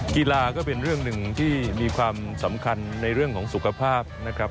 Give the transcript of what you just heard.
กีฬาก็เป็นเรื่องหนึ่งที่มีความสำคัญในเรื่องของสุขภาพนะครับ